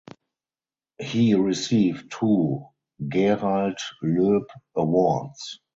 He received two Gerald Loeb Awards.